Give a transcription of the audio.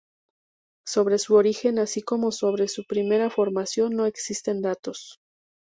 Sobre su origen así como sobre su primera formación no existen datos.